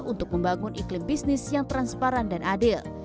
untuk membangun iklim bisnis yang transparan dan adil